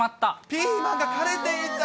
ピーマンが枯れていた。